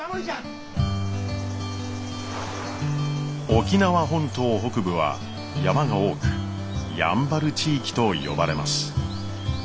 沖縄本島北部は山が多くやんばる地域と呼ばれます。